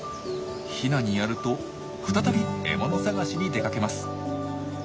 ヒナにやると再び獲物探しに出かけます。